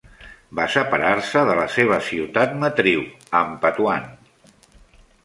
Va separar-se de la seva ciutat matriu, Ampatuan.